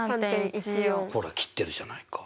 ほら切ってるじゃないか。